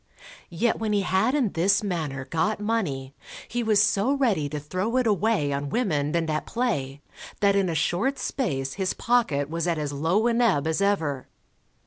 Yet when he had in this manner got money, he was so ready to throw it away on women and at play, that in a short space his pocket was at as low an ebb as ever.